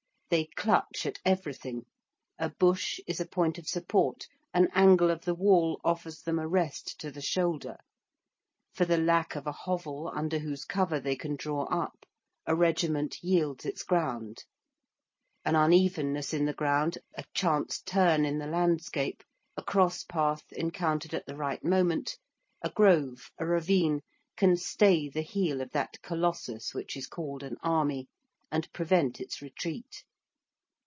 They clutch at everything: a bush is a point of support; an angle of the wall offers them a rest to the shoulder; for the lack of a hovel under whose cover they can draw up, a regiment yields its ground; an unevenness in the ground, a chance turn in the landscape, a cross path encountered at the right moment, a grove, a ravine, can stay the heel of that colossus which is called an army, and prevent its retreat.